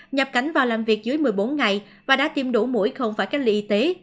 nhập cảnh vào làm việc dưới một mươi bốn ngày và đã tiêm đủ mũi không phải cách ly y tế